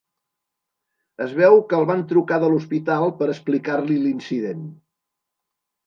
Es veu que el van trucar de l'hospital per explicar-li l'incident.